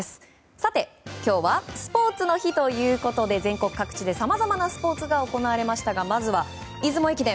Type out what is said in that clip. さて今日はスポーツの日ということで全国各地でさまざまなスポーツが行われましたがまずは出雲駅伝。